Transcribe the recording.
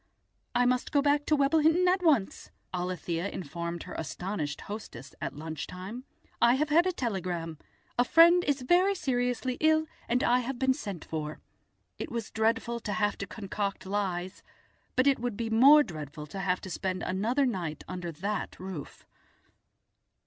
"I must go back to Webblehinton at once," Alethia informed her astonished hostess at lunch time; "I have had a telegram. A friend is very seriously ill and I have been sent for." It was dreadful to have to concoct lies, but it would be more dreadful to have to spend another night under that roof.